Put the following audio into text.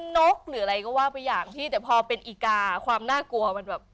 นกหรืออะไรก็ว่าไปอย่างที่แต่พอเป็นอีกาความน่ากลัวมันแบบ